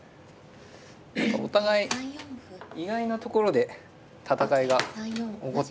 お互い意外なところで戦いが起こってますね。